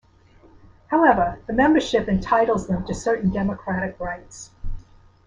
However, the membership entitles them to certain democratic rights.